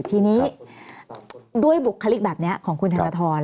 ทีนี้ด้วยบุคลิกแบบนี้ของคุณธนทร